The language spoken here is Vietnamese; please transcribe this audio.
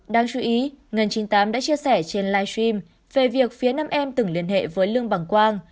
đáng chú ý ngân chín mươi tám đã chia sẻ trên live stream về việc phía nam em từng liên hệ với lương bằng quang